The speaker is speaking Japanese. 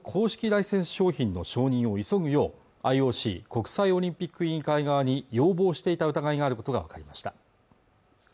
ライセンス商品の承認を急ぐようＩＯＣ＝国際オリンピック委員会側に要望していた疑いがあることが分かりました